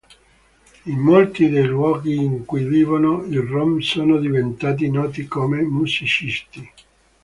In molti dei luoghi in cui vivono i rom sono diventati noti come musicisti.